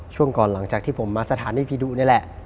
ช่วงก่อนหลังจากที่ผมมาสถานีผีดุนี่แหละ